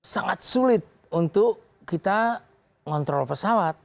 sangat sulit untuk kita ngontrol pesawat